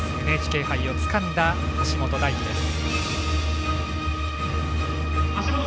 ＮＨＫ杯をつかんだ橋本大輝です。